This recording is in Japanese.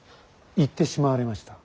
行ってしまわれました。